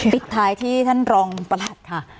ปิดท้ายที่ท่านรองประหลัดค่ะ